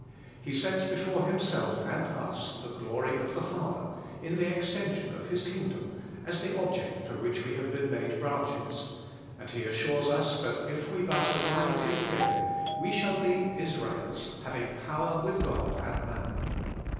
He sets before Himself and us the glory of the Father, in the extension of His kingdom, as the object for which we have been made branches; and He assures us that if we but abide in Him, we shall be Israels, having power with God and man.